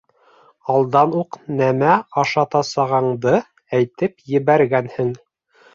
Алдан уҡ нәмә ашатасағыңды әйтеп ебәргәнһең.